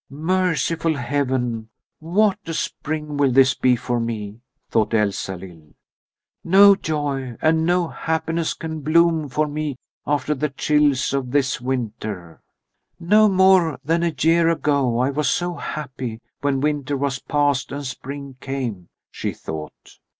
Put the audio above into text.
"Merciful heaven, what a spring will this be for me!" thought Elsalill. "No joy and no happiness can bloom for me after the chills of this winter. "No more than a year ago I was so happy when winter was past and spring came," she thought.